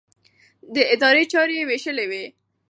د ادارې چارې يې وېشلې وې.